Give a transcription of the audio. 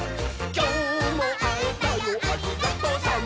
「きょうもあえたよありがとさん！」